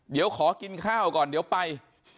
เดี๋ยวขอกินข้าวก่อนเดี๋ยวไป